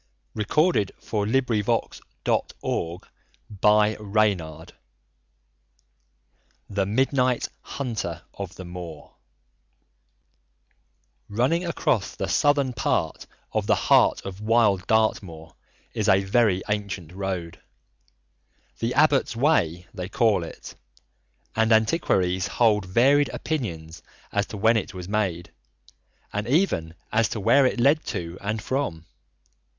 [Illustration: Tavistock Abbey] THE MIDNIGHT HUNTER OF THE MOOR Running across the southern part of the heart of wild Dartmoor is a very ancient road. "The Abbot's Way" they call it, and antiquaries hold varied opinions as to when it was made, and even as to where it led to and from.